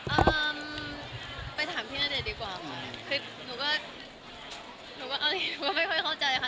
เอ่อไปถามพี่ณเดชน์ดีกว่าค่ะคือหนูก็หนูก็เอาสิหนูก็ไม่ค่อยเข้าใจค่ะ